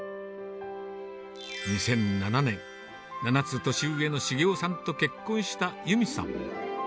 ２００７年、７つ年上の茂雄さんと結婚した裕美さん。